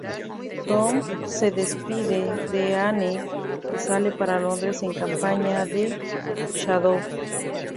Tom se despide de Anne y sale para Londres en compañía de Shadow.